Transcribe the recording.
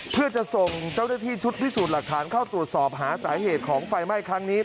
เพื่อจะส่งเจ้าหน้าที่ชุดพิสูจน์หลักฐานเข้าตรวจสอบหาสาเหตุของไฟไหม้ครั้งนี้